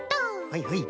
はいはい。